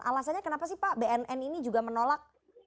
alasannya kenapa sih pak bnn ini juga menolak